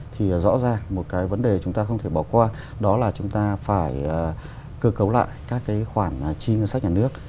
thì rõ ràng một cái vấn đề chúng ta không thể bỏ qua đó là chúng ta phải cơ cấu lại các cái khoản chi ngân sách nhà nước